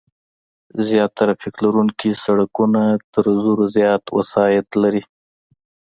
زیات ترافیک لرونکي سرکونه تر زرو زیات وسایط لري